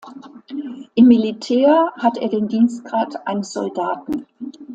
Im Militär hat er den Dienstgrad eines Soldaten.